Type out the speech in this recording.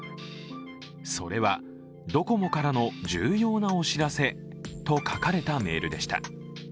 それは、ドコモからの重要なお知らせと書かれたメールでした。